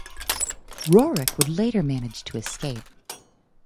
Rorik would later manage to escape.